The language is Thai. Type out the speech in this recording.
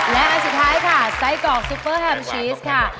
และสุดท้ายค่ะไซคองซูเปอร์แฮมชีสค่ะ